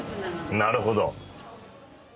なるほど。